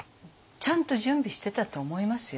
ちゃんと準備してたと思いますよ。